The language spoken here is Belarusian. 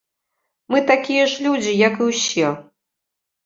Мы такія ж людзі, як і ўсе.